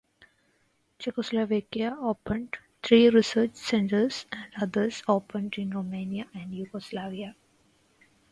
Czechoslovakia opened three research centers, and others opened in Romania and Yugoslavia.